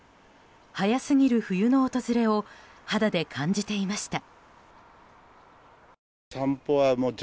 早すぎる冬の訪れを肌で感じていました。